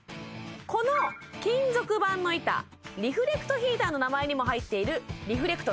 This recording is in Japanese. この金属板の板リフレクトヒーターの名前にも入っているリフレクト